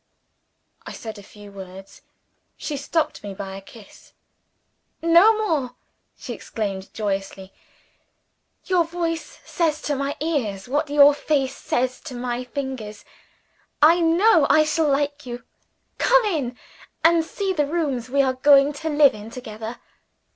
I said a few words. She stopped me by a kiss. "No more!" she exclaimed joyously. "Your voice says to my ears, what your face says to my fingers. I know I shall like you. Come in, and see the rooms we are going to live in together."